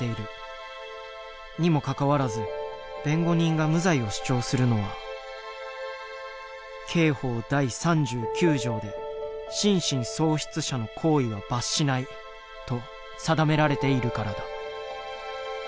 にもかかわらず弁護人が無罪を主張するのは刑法第３９条で「心神喪失者の行為は罰しない」と定められているからだ。